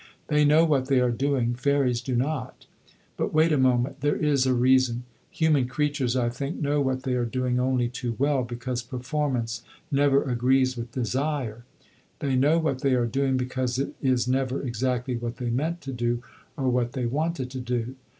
They know what they are doing. Fairies do not. But wait a moment; there is a reason. Human creatures, I think, know what they are doing only too well, because performance never agrees with desire. They know what they are doing because it is never exactly what they meant to do, or what they wanted to do.